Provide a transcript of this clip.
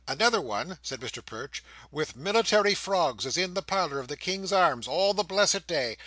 Another one," said Mr Perch, "with military frogs, is in the parlour of the King's Arms all the blessed day.